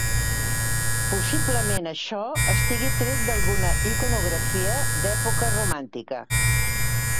Possiblement això estigui tret d'alguna iconografia d'època romàntica.